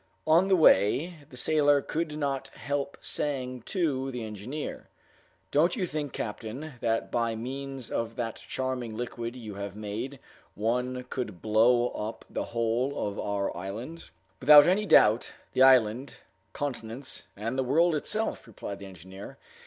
On the way the sailor could not help saying to the engineer, "Don't you think, captain, that by means of that charming liquid you have made, one could blow up the whole of our island?" "Without any doubt, the island, continents, and the world itself," replied the engineer.